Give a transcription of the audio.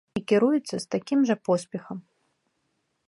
І кіруецца з такім жа поспехам.